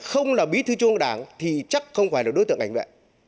không là bí thư trung ương đảng thì chắc không phải là đối tượng cảnh vệ